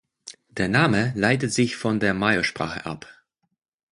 Der Name leitet sich von der Mayo-Sprache ab.